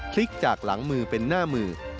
ลิกจากหลังมือเป็นหน้ามือ